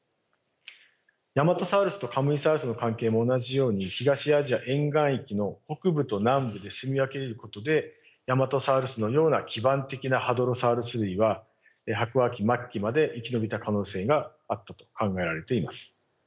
ヤマトサウルスとカムイサウルスの関係も同じように東アジア沿岸域の北部と南部で棲み分けることでヤマトサウルスのような基盤的なハドロサウルス類は白亜紀末期まで生き延びた可能性があったと考えられています。